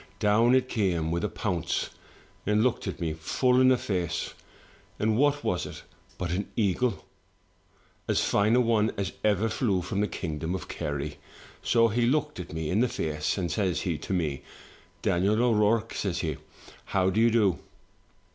Down it came with a pounce, and looked at me full in the face; and what was it but an eagle? — as fine a one as ever flew from the kingdom of Kerry. So he looked at me in the face, and says he to me, 'Daniel O^Rourke,* says he, *how do you do?